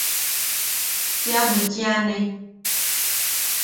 ¡Kia bwichiane!